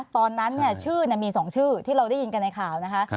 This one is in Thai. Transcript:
ตอนนั้นชื่อมี๒ชื่อที่เราได้ยินกันในข่าวนะคะ